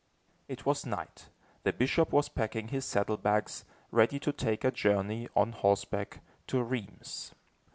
It was night. The bishop was packing his saddle bags, ready to take a journey, on horseback, to Rheims.